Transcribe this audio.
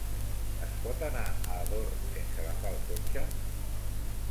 Es pot anar a Ador sense agafar el cotxe?